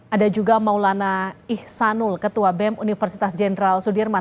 ada juga maulana ihsanul ketua bem universitas jenderal sudirman